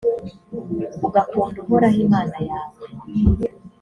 ugakunda uhoraho imana yawe